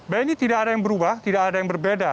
bni tidak ada yang berubah tidak ada yang berbeda